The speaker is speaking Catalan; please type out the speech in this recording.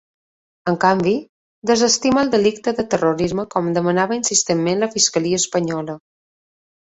En canvi, desestima el delicte de terrorisme, com demanava insistentment la fiscalia espanyola.